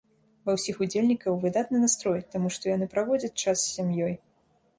Ва ўсіх удзельнікаў выдатны настрой, таму што яны праводзяць час з сям'ёй.